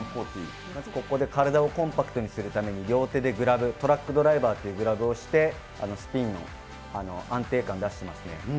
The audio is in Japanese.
まずここで体をコンパクトにするために、両手でグラブ、トラックドライバーというグラブをして、スピンの安定感を出してますね。